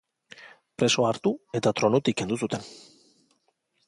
Preso hartu eta tronutik kendu zuten.